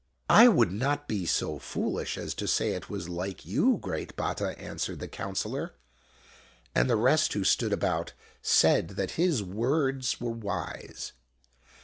" I would not be so foolish as to say it was like you, great Batta !" answered the counselor ; and the rest who stood about said that his words were wise.